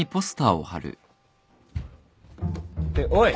っておい！